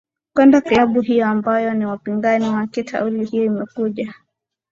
kwenda klabu hiyo ambayo ni wapingani wake tauli hiyo imekuja